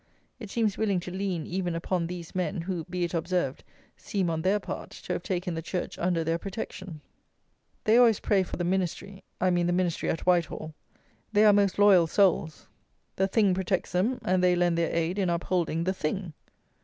It seems willing to lean even upon these men; who, be it observed, seem, on their part, to have taken the Church under their protection. They always pray for the Ministry; I mean the ministry at Whitehall. They are most "loyal" souls. The THING protects them; and they lend their aid in upholding the THING.